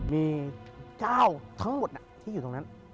มีเจ้าทั้งหมดที่อยู่ตรงนั้น